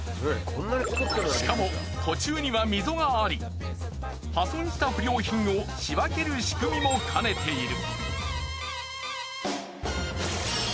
しかも途中には溝があり破損した不良品を仕分ける仕組みも兼ねている。